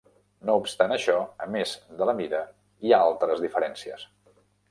No obstant això, a més de la mida, hi ha altres diferències.